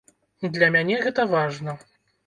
Для мяне гэта важна.